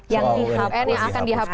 yang akan dihapus